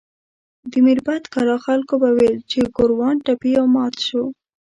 د میربت کلا خلکو به ویل چې ګوروان ټپي او مات شو.